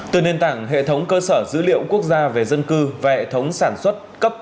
từ nền tảng hệ thống cơ sở dữ liệu quốc gia về dân cư và hệ thống sản xuất cấp